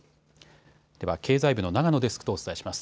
では経済部の永野デスクとお伝えします。